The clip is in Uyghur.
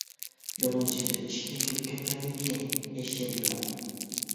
يولۇچى بىر ئىشىكتىن كىرىپ كەتكەندىن كېيىن، ھېچنېمە يوق.